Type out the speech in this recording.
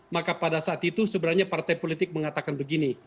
maka pada saat itu sebenarnya partai politik mengatakan begini